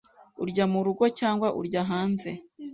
Urya murugo cyangwa urya hanze?